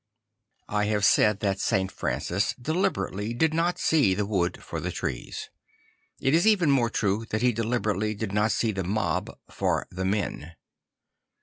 I have said that St. Francis deliberately did not see the wood for the trees. I t is even more true that he deliberately did not see the mob for the men.